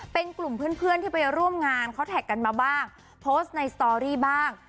เป็นกลุ่มเพื่อนเพื่อนที่ไปร่วมงานเขาแท็กกันมาบ้างโพสต์ในสตอรี่บ้าง